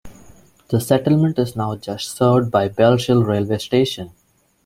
The settlement is now just served by Bellshill railway station.